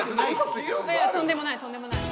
とんでもないとんでもない。